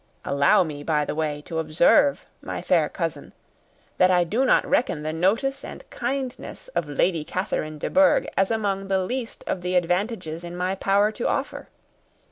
Allow me, by the way, to observe, my fair cousin, that I do not reckon the notice and kindness of Lady Catherine de Bourgh as among the least of the advantages in my power to offer.